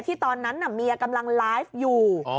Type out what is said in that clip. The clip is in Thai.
ตอนนั้นเมียกำลังไลฟ์อยู่